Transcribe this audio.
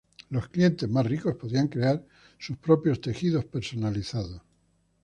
Los clientes más ricos podían crear sus propios tejidos personalizados.